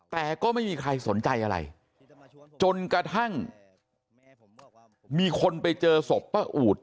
แต่ก็ไม่มีใครสนใจอะไรจนกระทั่งมีคนไปเจอศพป้าอูด